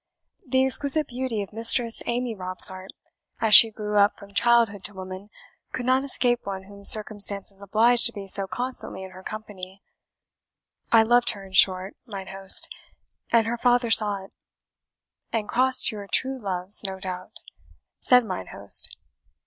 The exquisite beauty of Mistress Amy Robsart, as she grew up from childhood to woman, could not escape one whom circumstances obliged to be so constantly in her company I loved her, in short, mine host, and her father saw it." "And crossed your true loves, no doubt?" said mine host.